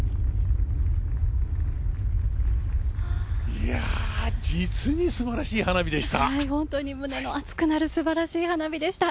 いやぁ、実にすばらしい花火でした。